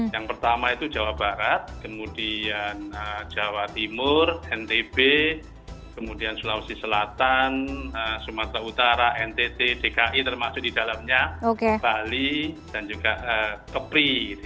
yang pertama itu jawa barat kemudian jawa timur ntb kemudian sulawesi selatan sumatera utara ntt dki termasuk di dalamnya bali dan juga kepri